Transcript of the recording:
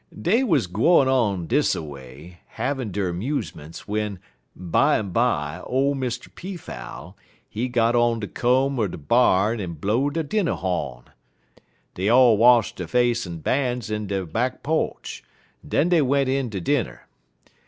_' "Dey wuz gwine on dis a way, havin' der 'musements, w'en, bimeby, ole Mr. Peafowl, he got on de comb er de barn en blow de dinner hawn. Dey all wash der face en ban's in de back po'ch, en den dey went in ter dinner.